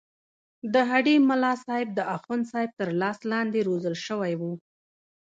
د هډې ملاصاحب د اخوندصاحب تر لاس لاندې روزل شوی وو.